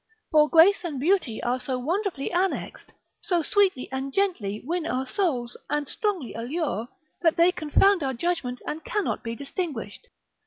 For grace and beauty are so wonderfully annexed, so sweetly and gently win our souls, and strongly allure, that they confound our judgment and cannot be distinguished.